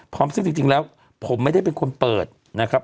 ซึ่งจริงแล้วผมไม่ได้เป็นคนเปิดนะครับ